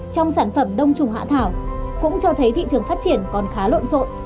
trong sản phẩm đông trùng hạ thảo cũng cho thấy thị trường phát triển còn khá lộn xộn